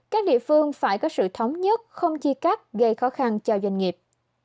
các địa phương phải có sự thống nhất không chia cắt gây khó khăn cho doanh nghiệp